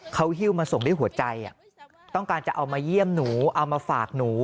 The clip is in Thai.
เขาหิ้วมาส่งด้วยหัวใจต้องการจะเอามาเยี่ยมหนูเอามาฝากหนู